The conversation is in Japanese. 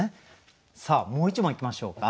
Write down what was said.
さあもう一問いきましょうか。